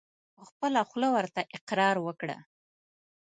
په خپله خوله ورته اقرار وکړه !